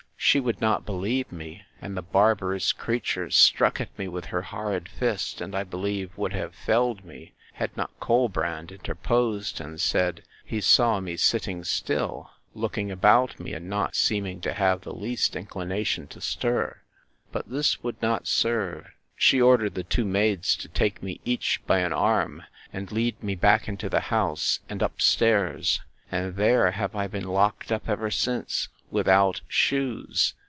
She would not believe me; and the barbarous creature struck at me with her horrid fist, and, I believe, would have felled me, had not Colbrand interposed, and said, He saw me sitting still, looking about me, and not seeming to have the least inclination to stir. But this would not serve: She ordered the two maids to take me each by an arm, and lead me back into the house, and up stairs; and there have I been locked up ever since, without shoes.